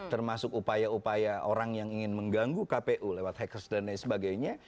termasuk upaya upaya orang yang ingin mengganggu kpu lewat hackers dan lain sebagainya